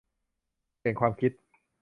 เปลี่ยนความคิด